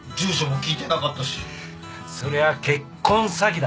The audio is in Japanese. そりゃ結婚詐欺だ。